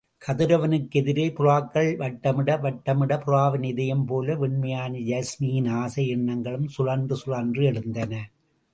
கதிரவனுக்கெதிரே புறாக்கள் வட்டமிட வட்டமிட, புறாவின் இதயம் போல வெண்மையான யாஸ்மியின் ஆசை எண்ணங்களும், சுழன்று சுழன்று எழுந்தன.